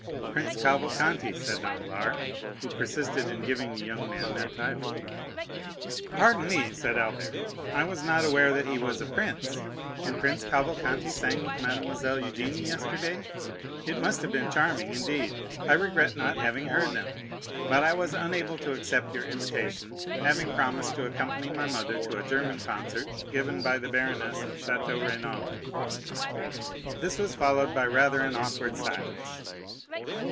"Prince Cavalcanti," said Danglars, who persisted in giving the young man that title. "Pardon me," said Albert, "I was not aware that he was a prince. And Prince Cavalcanti sang with Mademoiselle Eugénie yesterday? It must have been charming, indeed. I regret not having heard them. But I was unable to accept your invitation, having promised to accompany my mother to a German concert given by the Baroness of Château Renaud." This was followed by rather an awkward silence.